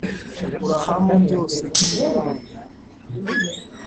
urahamo byose nk’ingarane